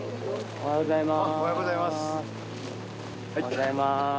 おはようございます。